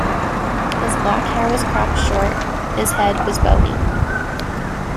His black hair was cropped short, his head was bony.